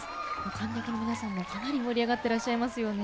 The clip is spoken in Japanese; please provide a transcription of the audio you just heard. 観客の皆さんもかなり盛り上がってらっしゃいますね。